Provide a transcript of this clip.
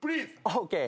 ＯＫ。